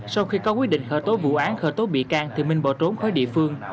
sau khi có quyết định khởi tố vụ án khởi tố bị can thì minh bỏ trốn khỏi địa phương